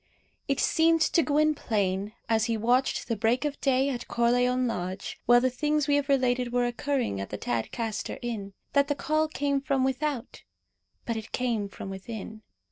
It seemed to Gwynplaine, as he watched the break of day at Corleone Lodge, while the things we have related were occurring at the Tadcaster Inn, that the call came from without; but it came from within.